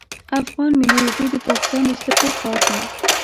افغان ملی اردو د پاکستان د سترګو خار ده